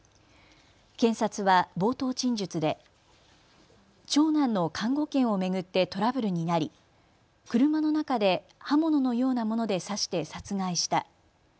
検察は冒頭陳述で長男の監護権を巡ってトラブルになり車の中で刃物のようなもので刺して殺害した。